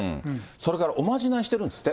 それからおまじないしてるんですって。